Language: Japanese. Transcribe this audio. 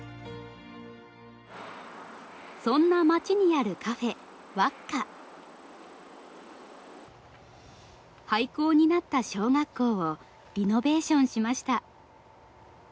そんな町にあるカフェ廃校になった小学校をリノベーションしました。